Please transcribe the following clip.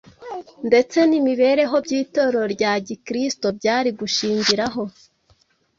ndetse n’imibereho by’Itorero rya Gikristo byari gushingiraho.